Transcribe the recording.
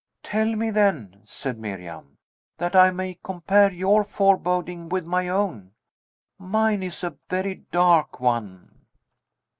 "Tell me, then," said Miriam, "that I may compare your foreboding with my own. Mine is a very dark one."